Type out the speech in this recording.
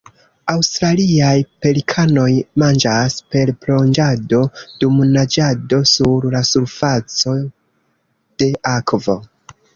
Aŭstraliaj pelikanoj manĝas per plonĝado dum naĝado sur la surfaco de akvo.